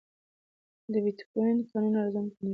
د بېټکوین کانونه ارزانه انرژي کاروي.